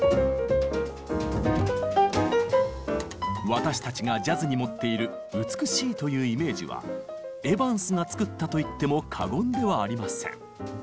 私たちがジャズに持っている「美しい」というイメージはエヴァンスが作ったと言っても過言ではありません。